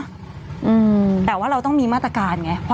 กรมป้องกันแล้วก็บรรเทาสาธารณภัยนะคะ